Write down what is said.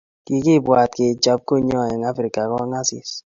kikibwat kechop kanyoo eng African Kongasis